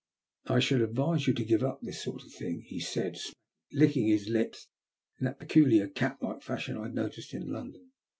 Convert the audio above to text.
"I should advise you to give up this sort of thing," he said, licking his lips in that peculiar cat like fashion I had noticed in London.